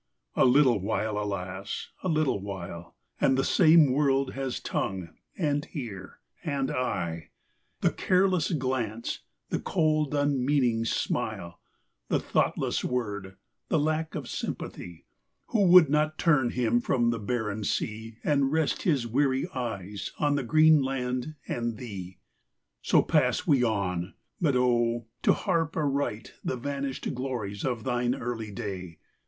XXXVII. A little while, alas ! a little while. And the same world has tongue, and ear, and eye. The careless glance, the cold unmeaning smile, The thoughtless word, the lack of sympathy ! Who would not turn him from the barren sea And rest his weary eyes on the green land and thee ! XXXVIII. So pass we on. But oh ! to harp aright The vanisht glories of thine early day.